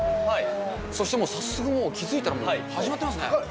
そしてもう、早速気付いたら、始まってますね。